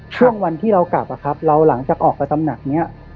ช่วงวันที่เรากลับอะครับเราหลังจากออกไปตำหนักนี้